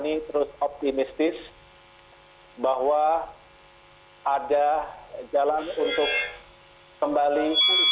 agar ibu ani terus optimistis bahwa ada jalan untuk kembali